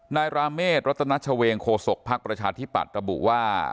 ราเมฆรัตนัชเวงโคศกภักดิ์ประชาธิปัตย์ระบุว่า